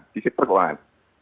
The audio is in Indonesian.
dibisikkan dari keuangan